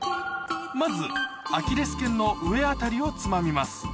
まずアキレス腱の上辺りをつまみます